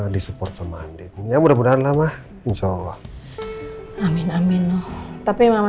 disupport sama andin ya mudah mudahan lah ma insya allah amin amin noh tapi mama